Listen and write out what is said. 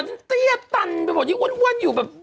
น่ะเตี้ยตันดิบดว่าตอนนี้อ้วนอยู่แบบ